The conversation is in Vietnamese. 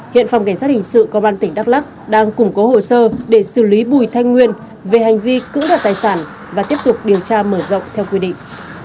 hiện phòng cảnh sát hình sự công an tỉnh đắk lắc đang củng cố hồ sơ để xử lý bùi thanh nguyên về hành vi cưỡng đoạt tài sản và tiếp tục điều tra mở rộng theo quy định